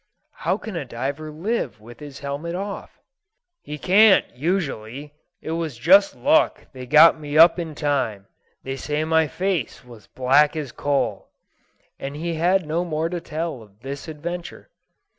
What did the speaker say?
"How can a diver live with his helmet off?" "He can't, usually. 'T was just luck they got me up in time. They say my face was black as a coal." And he had no more to tell of this adventure.